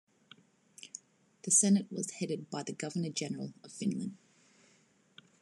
The Senate was headed by the Governor-General of Finland.